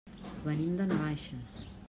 Venim de Navaixes.